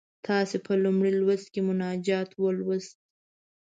تاسې په لومړي لوست کې مناجات ولوست.